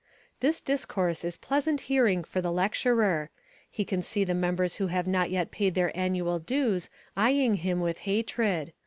This discourse is pleasant hearing for the lecturer. He can see the members who have not yet paid their annual dues eyeing him with hatred.